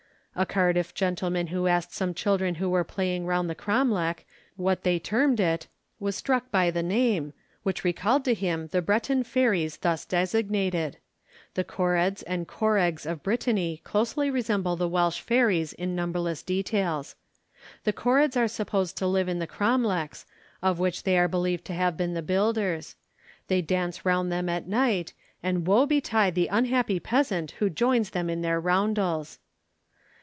A Cardiff gentleman who asked some children who were playing round the cromlech, what they termed it, was struck by the name, which recalled to him the Breton fairies thus designated. The korreds and korregs of Brittany closely resemble the Welsh fairies in numberless details. The korreds are supposed to live in the cromlechs, of which they are believed to have been the builders. They dance around them at night, and woe betide the unhappy peasant who joins them in their roundels.